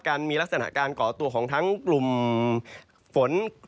มีลักษณะการก่อตัวของทั้งกลุ่มฝน